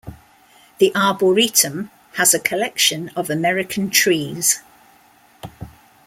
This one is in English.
The arboretum has a collection of American trees.